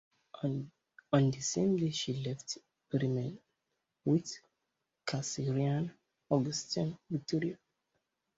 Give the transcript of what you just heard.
On the same day she left Bremen with "Kaiserin Auguste Victoria".